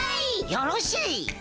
よろしい！